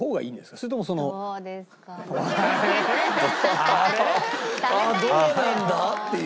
「どうなんだ？」っていう。